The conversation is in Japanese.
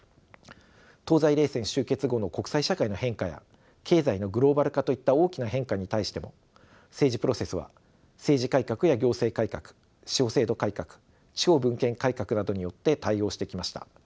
東西冷戦終結後の国際社会の変化や経済のグローバル化といった大きな変化に対しても政治プロセスは政治改革や行政改革司法制度改革地方分権改革などによって対応してきました。